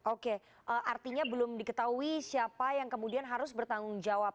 oke artinya belum diketahui siapa yang kemudian harus bertanggung jawab